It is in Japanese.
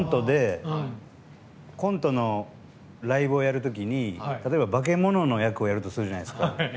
コントのライブをやる時に化け物の役をやるとするじゃないですか。